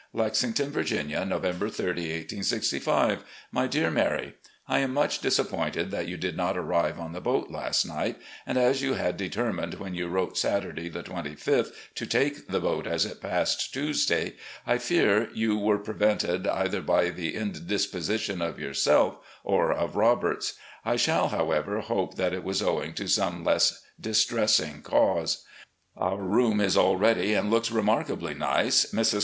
"Lexington, Virginia, November 30, 1865. "My Dear Mary: I am much disappointed that you did not arrive on the boat last night, and as you had determined when you wrote Saturday, the 25th, to take the boat as it passed Tuesday, I fear you were prevented either by the indisposition of yourself or of Robert's. I shall, however, hope that it was owing to some less dis tressing cause. Our room is all ready and looks remarkably nice. Mrs.